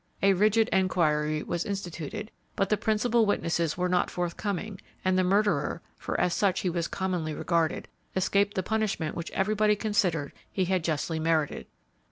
A rigid enquiry was instituted, but the principal witnesses were not forthcoming, and the murderer for as such he was commonly regarded escaped the punishment which everybody considered he had justly merited.